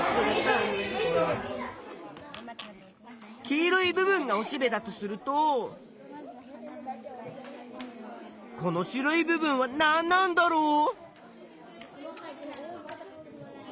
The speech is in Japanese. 黄色い部分がおしべだとするとこの白い部分はなんなんだろう？